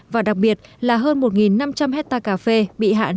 và đặc biệt là hơn một năm trăm linh hectare cà phê bị hạn